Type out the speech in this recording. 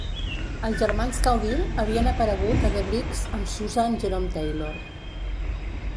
Els germans Caudill havien aparegut a The Breaks amb Susanne Jerome-Taylor.